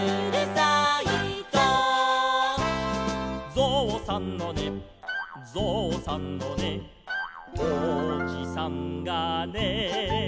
「ぞうさんのねぞうさんのねおじさんがね」